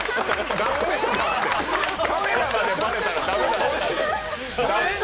カメラまでバレたら駄目だよ。